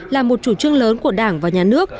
là một chủ trương lớn của đảng và nhà nước